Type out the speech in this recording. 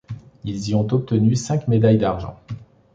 Ils y ont obtenu ciqn médailles d'argent.